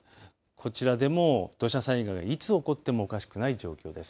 こちらでも土砂災害いつ起こってもおかしくない状況です。